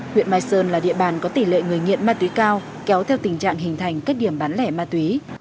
huyện mai sơn là địa bàn có tỷ lệ người nghiện ma túy cao kéo theo tình trạng hình thành các điểm bán lẻ ma túy